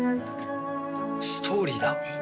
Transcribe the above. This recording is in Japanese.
ストーリーだ。